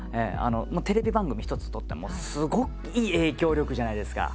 テレビ番組一つとってもすごい影響力じゃないですか。